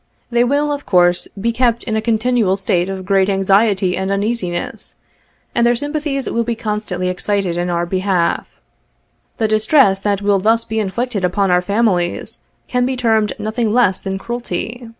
They will, of course, be kept in a continual state of great anxiety and uneasiness, and their sympathies will be constantly excited in our behalf. The distress that will thus be inflicted upon our families, can be termed nothing less than cruelty.